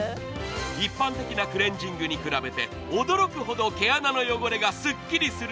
一般的なクレンジングに比べて驚くほど毛穴の汚れがすっきりする